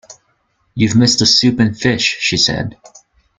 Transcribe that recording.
‘You’ve missed the soup and fish,’ she said.